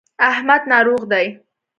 احمد ناروغ دی.